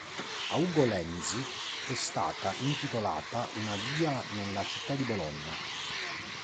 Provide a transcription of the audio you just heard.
A Ugo Lenzi è stata intitolata una via nella città di Bologna.